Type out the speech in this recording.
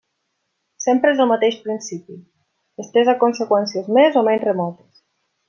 Sempre és el mateix principi, estès a conseqüències més o menys remotes.